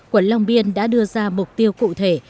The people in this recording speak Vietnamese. quận long biên đã đưa ra mục tiêu cụ thể